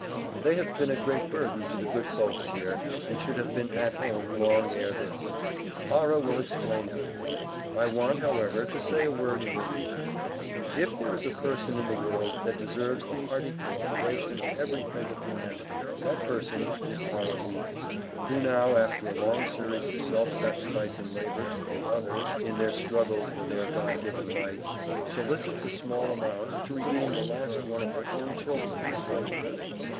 They have been a great burden to the good folks here and should have been at home long ere this. Arrah will explain everything. I want, however, to say a word in her behalf. If there is a person in the world, that deserves the hearty co operation of every friend of humanity, that person is Arrah Weems, who now, after a long series of self sacrificing labor to aid others in their struggle for their God given rights, solicits a small amount to redeem the last one of her own children in Slavery.